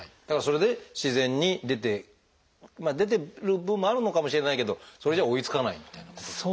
だからそれで自然に出て出てる分もあるのかもしれないけどそれじゃ追いつかないみたいなこと。